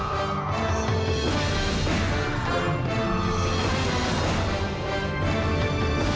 โปรดติดตามตอนต่อไป